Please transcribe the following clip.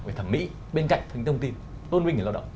về thẩm mỹ bên cạnh hình thông tin tôn vinh về lao động